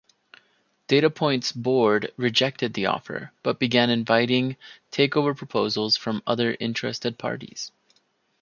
Datapoint's board rejected the offer but began inviting takeover proposals from other interested parties.